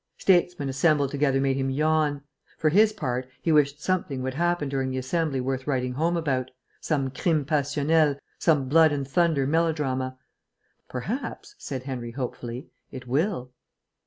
Statesmen assembled together made him yawn. For his part, he wished something would happen during the Assembly worth writing home about some crime passionnel, some blood and thunder melodrama. "Perhaps," said Henry, hopefully, "it will."